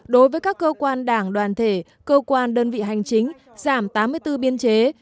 đối với các cơ quan đảng đoàn thể cơ quan đơn vị hành chính giảm tám mươi bốn biên chế